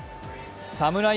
サムライ